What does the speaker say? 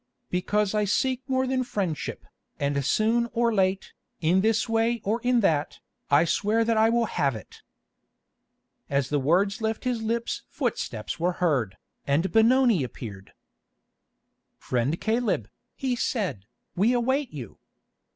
"Because I seek more than friendship, and soon or late, in this way or in that, I swear that I will have it." As the words left his lips footsteps were heard, and Benoni appeared. "Friend Caleb," he said, "we await you.